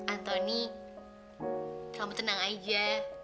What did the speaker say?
antoni kamu tenang aja